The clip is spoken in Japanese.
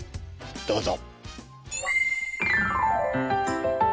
どうぞ。